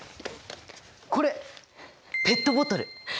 これペットボトル！